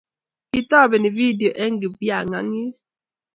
Ketobeni video eng kipyanganyit